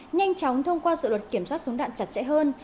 nhanh chóng thông qua dự luật kiểm soát súng đạn chặt chẽ hơn